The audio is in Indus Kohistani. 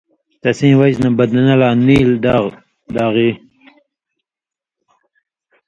تسیں وجہۡ نہ بدنہ لا نیلیۡ داغی،